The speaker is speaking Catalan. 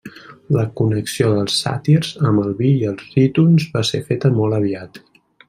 La connexió dels sàtirs amb el vi i els rítons va ser feta molt aviat.